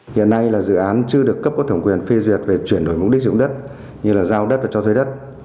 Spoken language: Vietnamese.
hiện nay là dự án chưa được cấp có thổng quyền phi duyệt về chuyển đổi mục đích dụng đất như là giao đất và cho thuế đất